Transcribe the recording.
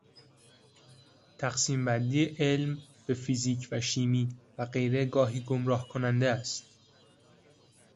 تقسیم بندی علم به فیزیک و شیمی و غیره گاهی گمراه کننده است.